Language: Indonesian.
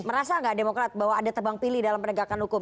merasa nggak demokrat bahwa ada tebang pilih dalam penegakan hukum